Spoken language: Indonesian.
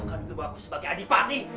menjatuhkan ibu aku sebagai adipati